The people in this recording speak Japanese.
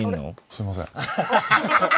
すいません。